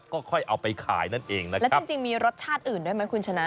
ก็ค่อยเอาไปขายนั่นเองนะครับณพี่ชนะแล้วจริงมีรสชาติอื่นด้วยมั้ย